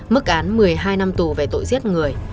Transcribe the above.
mức án một mươi hai năm tù về tội giết người